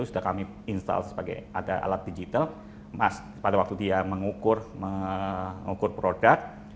sudah kami install sebagai ada alat digital pada waktu dia mengukur mengukur produk